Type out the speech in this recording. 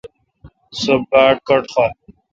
سو باڑ کٹخر۔